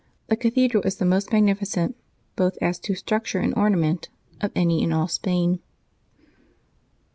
The cathedral is the most magnificent, both as to structure and ornament, of any in all Spain.